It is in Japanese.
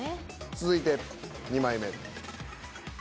続いて２枚目。